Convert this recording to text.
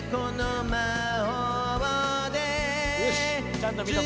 ちゃんと見とこう。